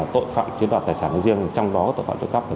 tội phạm chiến đoạt tài sản nguyên riêng trong đó tội phạm trộm tài sản